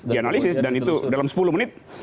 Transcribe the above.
dianalisis dan itu dalam sepuluh menit